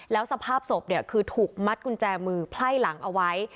แล้วสภาพศพเนี่ยคือถูกมัดกุญแจมือไพ่หลังเอาไว้